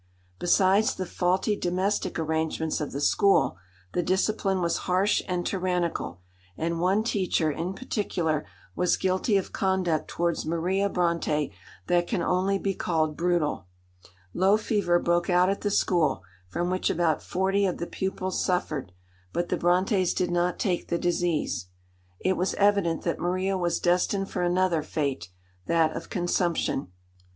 Besides the faulty domestic arrangements of the school, the discipline was harsh and tyrannical, and one teacher in particular was guilty of conduct towards Maria Brontë that can only be called brutal. Low fever broke out at the school, from which about forty of the pupils suffered, but the Brontës did not take the disease. It was evident that Maria was destined for another fate, that of consumption.